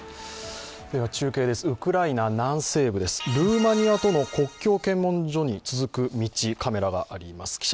中継です、ウクライナ南西部ですルーマニアとの国境検問所に続く道、カメラがあります。